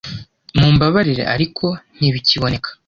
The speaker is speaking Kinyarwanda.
Mumbabarire, ariko ntibikiboneka.